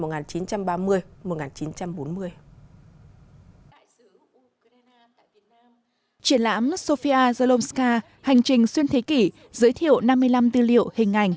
triển lãm sofia zalomska hành trình xuyên thế kỷ giới thiệu năm mươi năm tư liệu hình ảnh